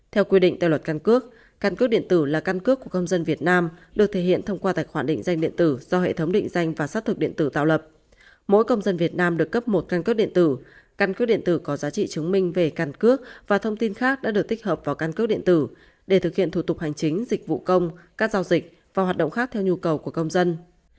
theo quy định theo luật căn cước căn cước điện tử là căn cước của công dân việt nam được thể hiện thông qua tài khoản định danh điện tử do hệ thống định danh và sát thực điện tử tạo lập mỗi công dân việt nam được cấp một căn cước điện tử căn cước điện tử có giá trị chứng minh về căn cước và thông tin khác đã được tích hợp vào căn cước điện tử để thực hiện thủ tục hành chính dịch vụ công các giao dịch và hoạt động khác theo nhu cầu của công dân